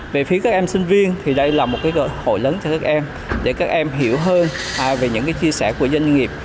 về phía các em sinh viên thì đây là một cơ hội lớn cho các em để các em hiểu hơn về những chia sẻ của doanh nghiệp